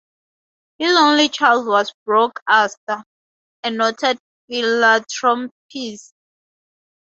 His only child was Brooke Astor, a noted philanthropist.